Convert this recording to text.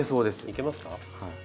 いけますか？